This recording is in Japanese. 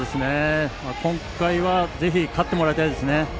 今回はぜひ勝ってもらいたいですね。